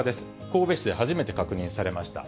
神戸市で初めて確認されました。